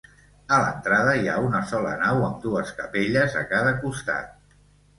A l'entrada hi ha una sola nau amb dues capelles a cada costat.